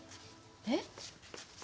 えっ？